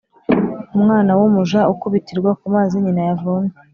Umwana w’umuja ukubitirwa ku mazi nyina yavomye.